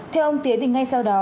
theo ông tiến thì ngay sau đó